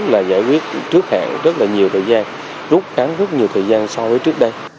đó là giải quyết trước hẹn rất là nhiều thời gian rút kháng rất nhiều thời gian so với trước đây